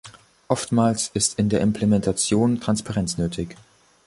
Oftmals ist in der Implementation Transparenz nötig.